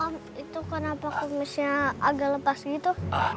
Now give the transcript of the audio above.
om itu kenapa komisnya agak lepas gitu